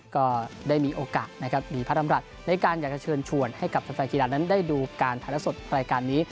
ก็ได้มีโอกาสนะครับมีพระดำรัฐในการอยากจะเชิญชวนให้กับแฟนกีฬานั้นได้ดูการถ่ายละสดรายการนี้